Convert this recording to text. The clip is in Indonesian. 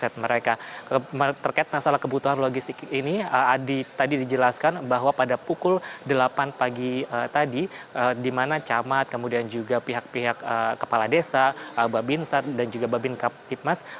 terkait masalah kebutuhan logistik ini tadi dijelaskan bahwa pada pukul delapan pagi tadi di mana camat kemudian juga pihak pihak kepala desa babinsat dan juga babin kaptipmas